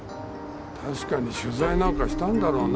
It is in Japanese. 確かに取材なんかしたんだろうな